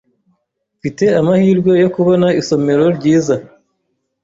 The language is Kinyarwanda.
Mfite amahirwe yo kubona isomero ryiza.